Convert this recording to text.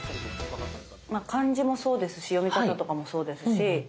漢字もそうですし読み方とかもそうですし